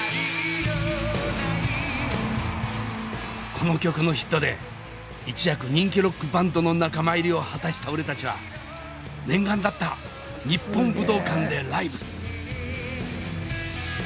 この曲のヒットで一躍人気ロックバンドの仲間入りを果たした俺たちは念願だった日本武道館でライブ。